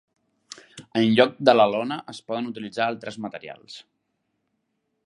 En lloc de la lona es poden utilitzar altres materials.